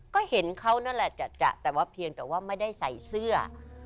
ก็เห็นเขานั่นแหละจะแต่ว่าเพียงแต่ว่าไม่ได้ใส่เสื้อ